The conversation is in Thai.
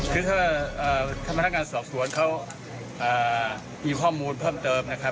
คือถ้าพนักงานสอบสวนเขามีข้อมูลเพิ่มเติมนะครับ